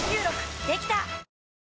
できた！